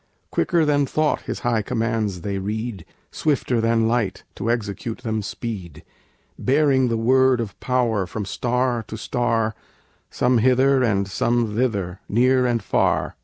Quicker than thought His high commands they read, Swifter than light to execute them speed; Bearing the word of power from star to star, Some hither and some thither, near and far.